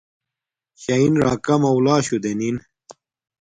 شین راکا مولاشوہ دینن